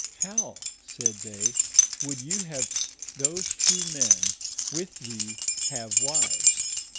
" How," said they, " would you have those two men with thee have wives